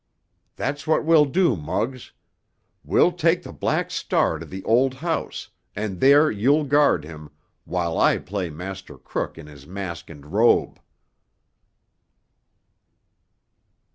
That's what we'll do, Muggs! We'll take the Black Star to the old house, and there you'll guard him, while I play master crook in his mask and robe."